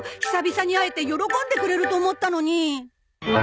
久々に会えて喜んでくれると思ったのに。